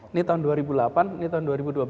ini tahun dua ribu delapan ini tahun dua ribu dua belas